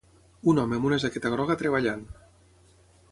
Un home amb una jaqueta groga treballant.